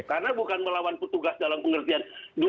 karena bukan melawan petugas dalam pengertian